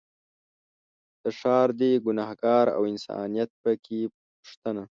دا ښار دی ګنهار او انسانیت په کې پوښتنه